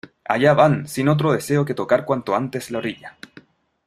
allá van, sin otro deseo que tocar cuanto antes la orilla.